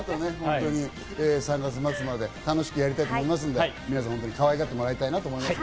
３月末まで楽しくやりたいと思いますので、皆さんにかわいがってもらいたいなと思います。